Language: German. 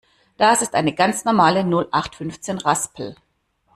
Das ist eine ganz normale Nullachtfünfzehn-Raspel.